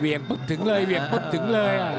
เวียงปุ๊บถึงเลย